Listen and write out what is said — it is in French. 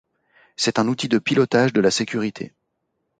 C'est un outil de pilotage de la sécurité.